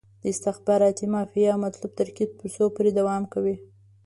د استخباراتي مافیا مطلوب ترکیب تر څو پورې دوام کوي.